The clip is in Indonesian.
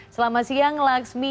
selama siang laksmi